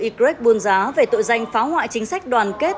phiên tòa xét xử y buôn giá về tội danh phá hoại chính sách đoàn kết